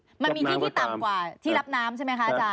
มันมีที่ที่ต่ำกว่าที่รับน้ำใช่ไหมคะอาจาร